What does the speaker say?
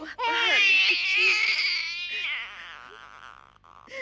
aku tidak akan memelihara matahari esok